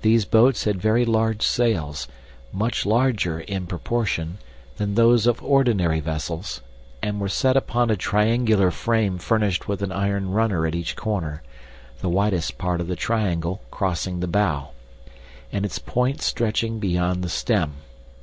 These boats had very large sails, much larger, in proportion, than those of ordinary vessels, and were set upon a triangular frame furnished with an iron "runner" at each corner the widest part of the triangle crossing the bow, and its point stretching beyond the stem.